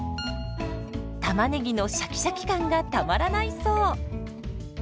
たまねぎのシャキシャキ感がたまらないそう。